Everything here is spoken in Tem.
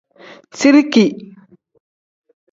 Zirigi.